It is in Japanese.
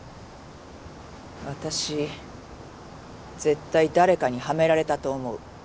私絶対誰かにはめられたと思う。